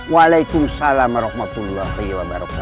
waalaikumsalam warahmatullahi wabarakatuh